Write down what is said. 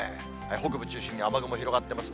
北部中心に雨雲広がってます。